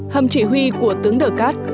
hầm chỉ huy của tướng đờ cát